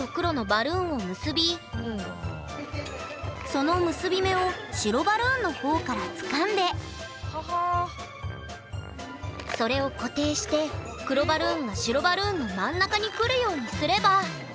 その結び目を白バルーンの方からつかんでそれを固定して黒バルーンを白バルーンの真ん中に来るようにすれば。